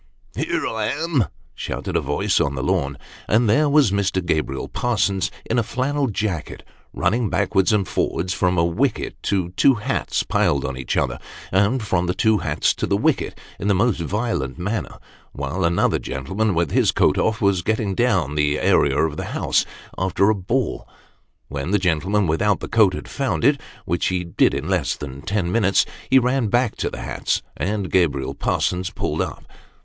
"Here I am," shouted a voice on the lawn, and there was Mr. Gabriel Parsons in a flannel jacket, running backwards and forwards, from a wicket to two hats piled on each other, and from the two hats to the wicket, in the most violent manner, while another gentleman with his coat off was getting down the area of the house, after a ball. When the gentleman without the coat had found it which be did in less than ten minutes he ran back to the hats, and Gabriel Parsons pulled up.